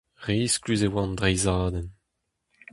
Risklus e oa an dreizhadenn.